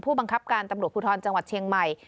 บังคับการตำรวจภูทรจังหวัดเชียงใหม่